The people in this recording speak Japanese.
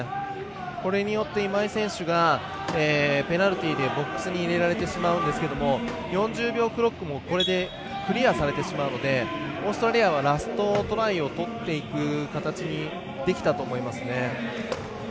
これによって今井選手がペナルティ−でボックスに入れられてしまうんですがクリアされてしまうのでオーストラリアはラストトライをとっていく形にできたと思いますね。